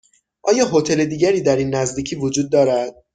آیا هتل دیگری در این نزدیکی وجود دارد؟